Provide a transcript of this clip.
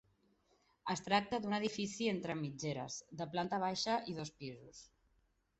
Es tracta d'un edifici entre mitgeres, de planta baixa i dos pisos.